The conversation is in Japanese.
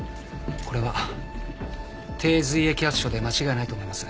これは低髄液圧症で間違いないと思います。